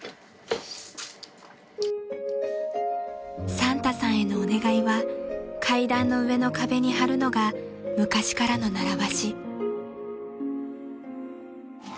［サンタさんへのお願いは階段の上の壁に張るのが昔からの習わし］